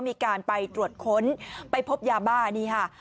มีการไปตรวจค้นไปพบยาบ้านี่ค่ะ